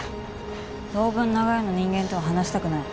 当分長屋の人間とは話したくない。